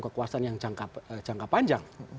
kekuasaan yang jangka panjang